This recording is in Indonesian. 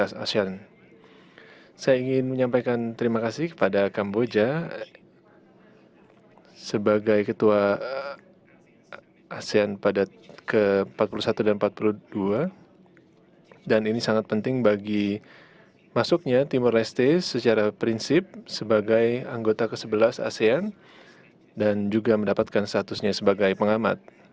saya ingin menyampaikan terima kasih kepada kambodja sebagai ketua asean ke empat puluh satu dan ke empat puluh dua dan ini sangat penting bagi masuknya timur leste secara prinsip sebagai anggota ke sebelas asean dan juga mendapatkan statusnya sebagai pengamat